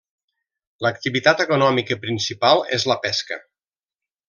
L'activitat econòmica principal és la pesca.